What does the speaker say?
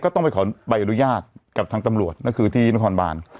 ต้องไปขอใบอนุญาตกับทางตำรวจก็คือที่นครบาน